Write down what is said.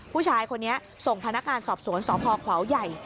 ผู้ชายคนนี้ส่งพนักงานสอบสวนสพขวาวใหญ่